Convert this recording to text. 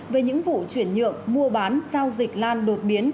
về những vụ chuyển nhượng mua bán giao dịch lan đột biến